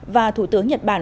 và thủ tướng nhật bản